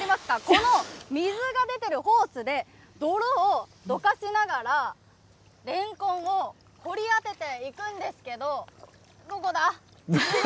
この水が出てるホースで、泥をどかしながらレンコンを掘り当てていくんですけれども、どこだ？